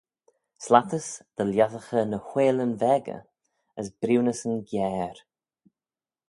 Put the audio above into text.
Slattys dy lhiassaghey ny whailyn veggey as briwnyssyn giare.